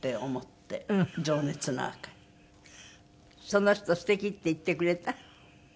その人「素敵」って言ってくれた？